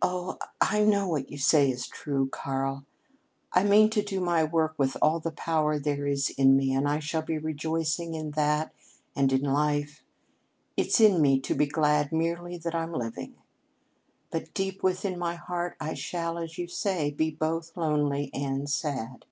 "Oh, I know what you say is true, Karl. I mean to do my work with all the power there is in me, and I shall be rejoicing in that and in Life it's in me to be glad merely that I'm living. But deep within my heart I shall, as you say, be both lonely and sad.